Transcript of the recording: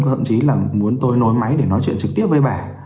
thậm chí là muốn tôi nối máy để nói chuyện trực tiếp với bà